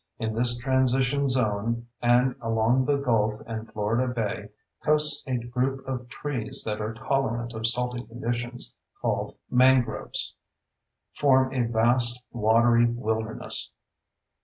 In this transition zone and along the gulf and Florida Bay coasts a group of trees that are tolerant of salty conditions, called "mangroves," form a vast, watery wilderness.